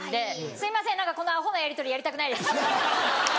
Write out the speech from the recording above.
すいませんこのアホなやりとりやりたくないです！